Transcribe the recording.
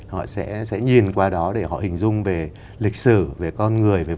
họ sẽ nhìn qua đó để họ hình dung về lịch sử về con người